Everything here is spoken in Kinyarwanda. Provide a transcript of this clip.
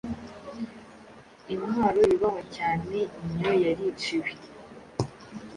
Intwaro yubahwa cyane inyo yariciwe